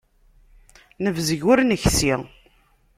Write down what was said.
Nebzeg, ur neksi.